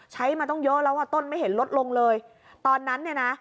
มาต้องเยอะแล้วอ่ะต้นไม่เห็นลดลงเลยตอนนั้นเนี่ยนะ